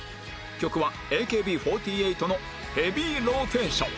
曲は ＡＫＢ４８ の『ヘビーローテーション』